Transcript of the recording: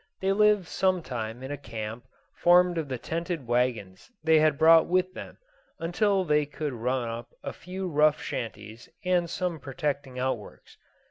They live some time in a camp formed of the tented wagons they had brought with them, until they could run up a few rough shanties, and some protecting outworks.